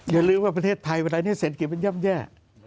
อย่าลืมว่าประเทศไทยวันนี้เศรษฐกิจมันย่ำแย่